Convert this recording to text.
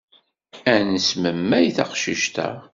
Ad nesmemmay taqcict-a.